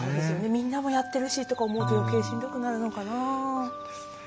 みんなもやってるしとか思うと余計しんどくなるのかな。